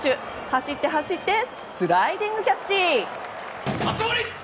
走って、走ってスライディングキャッチ！